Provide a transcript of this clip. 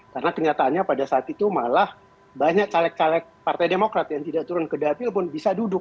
karena kenyataannya pada saat itu malah banyak caleg caleg partai demokrat yang tidak turun ke dapil pun bisa duduk